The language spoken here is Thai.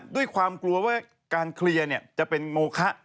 ด้วยความกลัวว่าการเคลียร์จะเป็นโมคะ